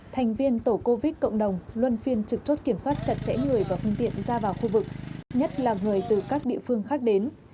thành viên tổ covid cộng đồng luân phiên trực chốt kiểm soát chặt chẽ người và phương tiện ra vào khu vực nhất là người từ các địa phương khác đến